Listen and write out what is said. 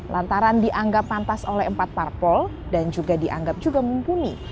lantaran dianggap pantas oleh empat parpol dan juga dianggap juga mumpuni